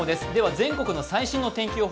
全国の最新の天気予報